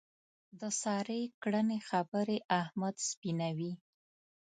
د سارې کړنې خبرې احمد سپینوي.